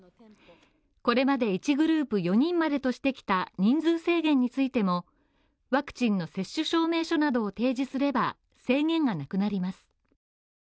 これまで１グループ４人までとしてきた人数制限についてもワクチンの接種証明書などを提示すれば、制限がなくなります。